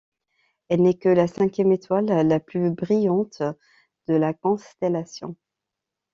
Elle n'est que la cinquième étoile la plus brillante de la constellation.